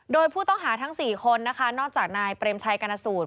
โดยผู้ต้องหาทั้ง๔คนนะคะนอกจากนายเปรมชัยกรณสูตร